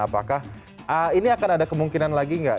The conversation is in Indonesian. apakah ini akan ada kemungkinan lagi nggak